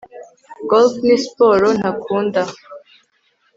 Golf ni siporo ntakunda